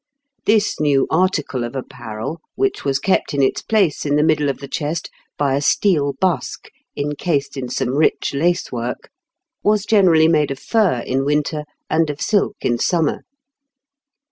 This new article of apparel, which was kept in its place in the middle of the chest by a steel busk encased in some rich lace work, was generally made of fur in winter and of silk in summer.